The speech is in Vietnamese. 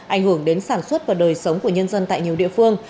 ảnh hưởng đến sản xuất và đời sống của nhân dân tại nhiều địa phương